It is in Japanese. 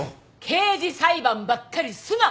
刑事裁判ばっかりすな！